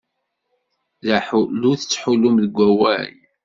D aḥullu i tettḥullum deg wawal.